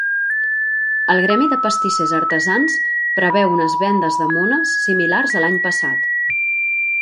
El Gremi de Pastissers Artesans preveu unes vendes de mones similars a l'any passat.